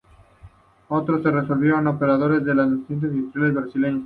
Otros, se volvieron operadores de las nacientes industrias brasileñas.